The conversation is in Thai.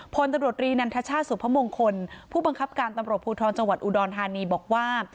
พลตำรวจรีนันทชาติสุพมงคลผู้บังคับการตำรวจภูทรจังหวัดอุดรธานีบอกว่า